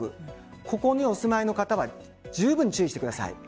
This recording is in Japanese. ここにお住まいの方はじゅうぶん注意してください。